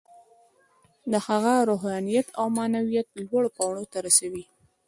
دا هغه د روحانیت او معنویت لوړو پوړیو ته رسوي